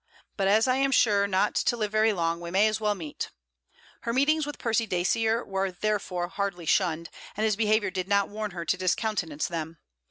'But as I am sure not to live very long, we may as well meet.' Her meetings with Percy Dacier were therefore hardly shunned; and his behaviour did not warn her to discountenance them.